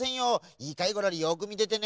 いいかいゴロリよくみててね。